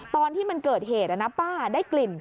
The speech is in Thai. ตอนที่มันเกิดเหตุนะป้าได้กลิ่น